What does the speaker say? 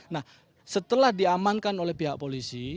nah setelah diamankan oleh pihak polisi